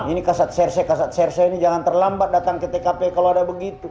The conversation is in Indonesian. ini kasat serse kasat serse ini jangan terlambat datang ke tkp kalau ada begitu